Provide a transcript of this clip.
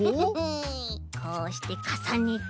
こうしてかさねて。